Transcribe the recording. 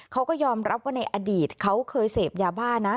เขาก็ยอมรับว่าในอดีตเขาเคยเสพยาบ้านะ